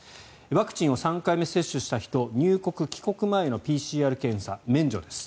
ワクチンを３回目接種した人入国・帰国前のＰＣＲ検査免除です。